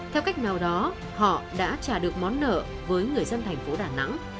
theo cách nào đó họ đã trả được món nợ với người dân thành phố đà nẵng